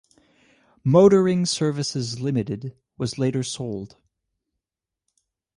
Motoring Services Limited was later sold.